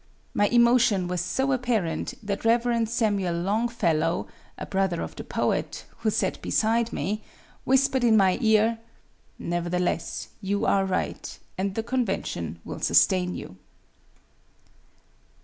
My emotion was so apparent that Rev. Samuel Longfellow, a brother of the poet, who sat beside me, whispered in my ear, "Nevertheless you are right, and the convention will sustain you."